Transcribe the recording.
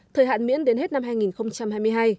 thời hạn miễn đến hết năm hai nghìn hai mươi hai